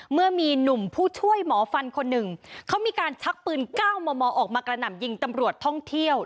เมื่อมีหนุ่มผู้ช่วยหมอฟันคนหนึ่งเขามีการชักปืน๙มมออกมากระหน่ำยิงตำรวจท่องเที่ยว